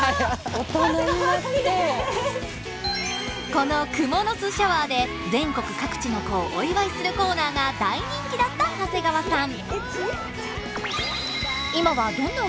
この「クモの巣シャワー」で全国各地の子をお祝いするコーナーが大人気だった長谷川さん。